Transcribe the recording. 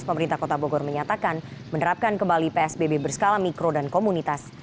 pemerintah kota bogor menyatakan menerapkan kembali psbb berskala mikro dan komunitas